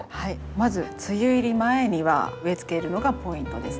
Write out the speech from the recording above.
まず梅雨入り前には植えつけるのがポイントです。